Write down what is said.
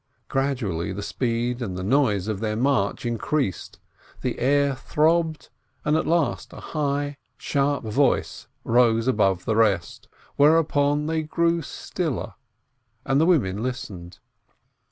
Gradually the speed and the noise of their march increased, the air throbbed, and at last a high, sharp voice rose above the rest, whereupon they grew stiller, and the women listened.